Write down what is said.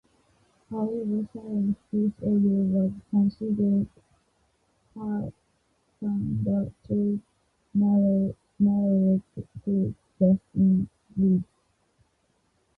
However, since this area was considered parkland, the street narrowed to just in width.